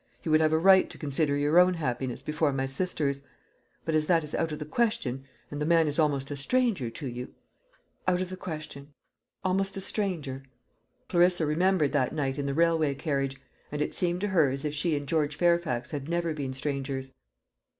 You would have a right to consider your own happiness before my sister's. But as that is out of the question, and the man is almost a stranger to you " "Out of the question almost a stranger." Clarissa remembered that night in the railway carriage, and it seemed to her as if she and George Fairfax had never been strangers.